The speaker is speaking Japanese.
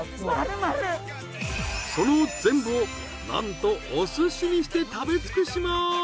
その全部をなんとお寿司にして食べつくします！